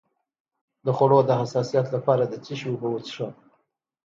د خوړو د حساسیت لپاره د څه شي اوبه وڅښم؟